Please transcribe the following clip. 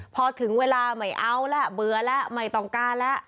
พอถึงเวลาไม่เอาแล้วเบื่อแล้วไม่ต้องการแล้ว